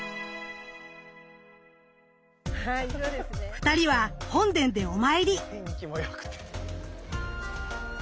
２人は本殿でお参り。